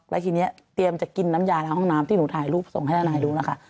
แล้วทีเนี้ยเตรียมจะกินน้ำยาแล้วห้องน้ำที่หนูถ่ายรูปส่งให้หน่ายดูนะคะ